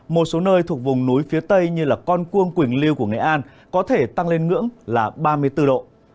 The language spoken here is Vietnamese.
một số nơi thuộc vùng núi phía tây như con cuông quỳnh lưu của nghệ an có thể tăng lên ngưỡng là ba mươi bốn độ